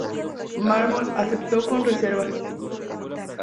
Mármol aceptó con reservas.